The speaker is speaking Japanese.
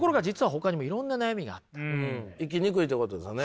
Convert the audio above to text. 生きにくいということですね。